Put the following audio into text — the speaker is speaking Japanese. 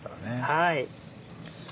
はい。